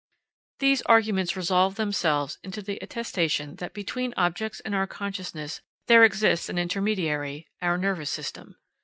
These arguments resolve themselves into the attestation that between objects and our consciousness there exists an intermediary, our nervous system.